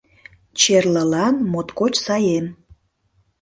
Черлылан моткоч сай эм.